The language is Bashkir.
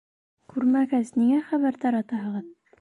— Күрмәгәс, ниңә хәбәр таратаһығыҙ?